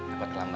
dapat kelamet ya